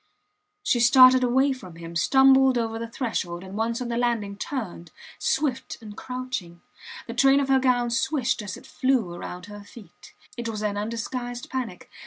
She started away from him, stumbled over the threshold, and once on the landing turned, swift and crouching. The train of her gown swished as it flew round her feet. It was an undisguised panic.